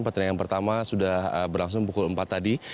pertandingan pertama sudah berlangsung pukul empat tadi